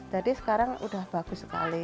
jadi sekarang udah bagus sekali